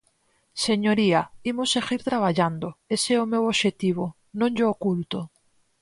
Señoría, imos seguir traballando, ese é o meu obxectivo, non llo oculto.